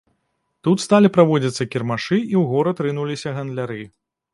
Тут сталі праводзіцца кірмашы, і ў горад рынуліся гандляры.